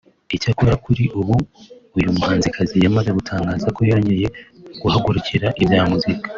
icyakora kuri ubu uyu muhanzikazi yamaze gutangaza ko yongeye guhagurukira ibya muzika